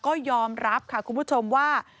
ก็ยอมรับค่ะคุณผู้ชมว่า